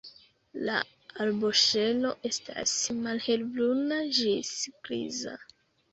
La arboŝelo estas malhelbruna ĝis griza.